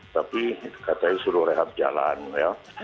tapi katanya suruh rehab jalan ya